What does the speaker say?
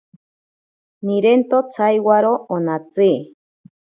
Nirento tsaiwaro onatsi.